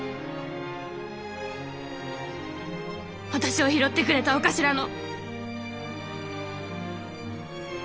私を拾ってくれたお頭の。